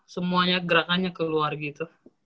semuanya gerakannya keluar gitu